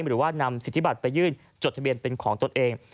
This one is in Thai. หรือว่านำสิทธิบัตรไปยื่นจดทะเบียนเป็นของตนเอง